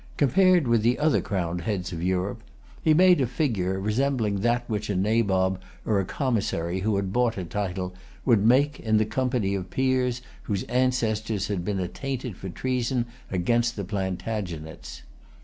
Compared with the other crowned heads of Europe, he made a figure resembling that which a Nabob or a Commissary, who had bought a title, would make in the company of Peers whose ancestors had been attainted for treason against the Plantagenets.